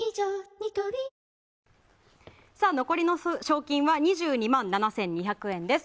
ニトリ残りの賞金は２２万７２００円です。